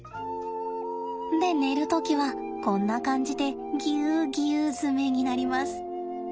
で寝る時はこんな感じでぎゅうぎゅう詰めになります。